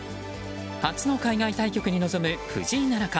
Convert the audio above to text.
初の海外対局に臨む藤井七冠。